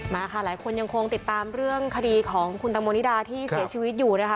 มาค่ะหลายคนยังคงติดตามเรื่องคดีของคุณตังโมนิดาที่เสียชีวิตอยู่นะคะ